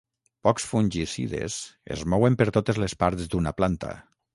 Pocs fungicides es mouen per totes les parts d'una planta.